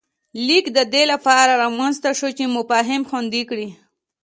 لیک د دې له پاره رامنځته شوی چې مفاهیم خوندي کړي